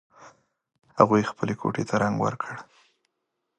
هغوی خپلې کوټې ته رنګ ور کړ